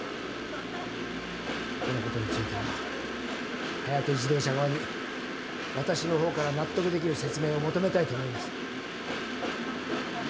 このことについてはハヤテ自動車側に私の方から納得できる説明を求めたいと思います。